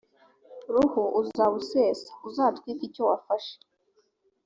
ruhu uzaba usesa uzatwike icyo wafashe